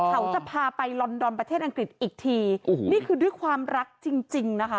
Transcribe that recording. เขาจะพาไปลอนดอนประเทศอังกฤษอีกทีโอ้โหนี่คือด้วยความรักจริงจริงนะคะ